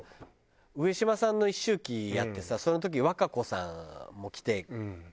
上島さんの一周忌やってさその時和歌子さんも来てたんだけどさ。